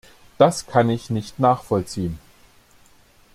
Das kann ich nicht nachvollziehen.